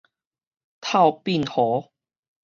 透鬢鬍